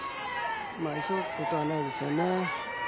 急ぐことはないですよ。